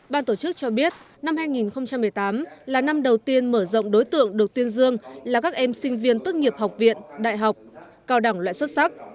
ban tổ chức cho biết năm hai nghìn một mươi tám là năm đầu tiên mở rộng đối tượng được tuyên dương là các em sinh viên tốt nghiệp học viện đại học cao đẳng loại xuất sắc